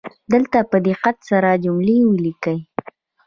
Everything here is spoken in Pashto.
دلته په دقت سره جملې ولیکئ